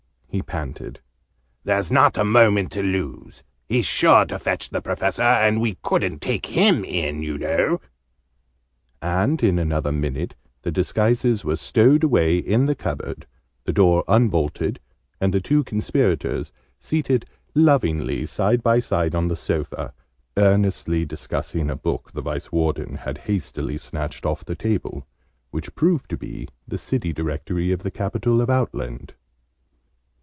he panted. "There's not a moment to lose. He's sure to fetch the Professor, and we couldn't take him in, you know!" And in another minute the disguises were stowed away in the cupboard, the door unbolted, and the two Conspirators seated lovingly side by side on the sofa, earnestly discussing a book the Vice Warden had hastily snatched off the table, which proved to be the City Directory of the capital of Outland.